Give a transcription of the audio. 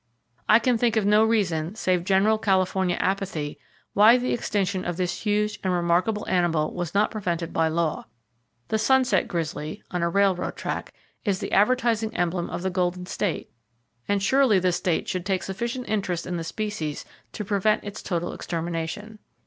I can think of no reason, save general Californian apathy, why the extinction of this huge and remarkable animal was not prevented by law. The sunset grizzly (on a railroad track) is the advertising emblem of the Golden State, and surely the state should take sufficient interest in the species to prevent its total extermination.